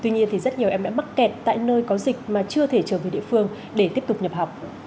tuy nhiên thì rất nhiều em đã mắc kẹt tại nơi có dịch mà chưa thể trở về địa phương để tiếp tục nhập học